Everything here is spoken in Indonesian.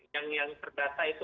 yang terdata itu